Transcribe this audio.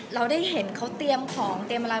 เราได้เห็นเขาเตรียมของเตรียมอะไร